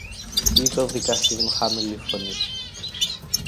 είπε ο δικαστής με χαμηλή φωνή.